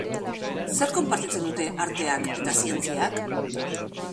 Zer konpartitzen dute arteak eta zientziak?